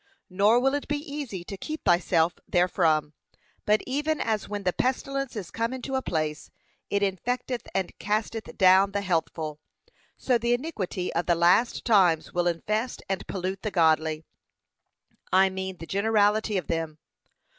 Nor will it be easy to keep thyself therefrom. But even as when the pestilence is come into a place, it infecteth and casteth down the healthful; so the iniquity of the last times will infest and pollute the godly. I mean the generality of them.